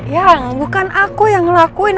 ya bukan aku yang ngelakuin